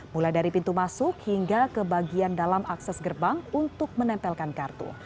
mulai dari pintu masuk hingga ke bagian dalam akses gerbang untuk menempelkan kartu